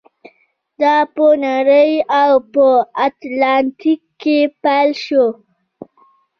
دا په نړۍ او په اتلانتیک کې پیل شو.